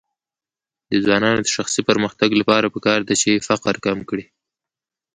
د ځوانانو د شخصي پرمختګ لپاره پکار ده چې فقر کم کړي.